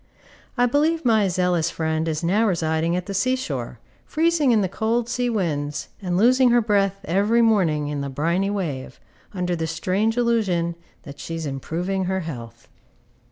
I believe my zealous friend is now residing at the sea shore, freezing in the cold sea winds, and losing her breath every morning in the briny wave, under the strange illusion that she is improving her health.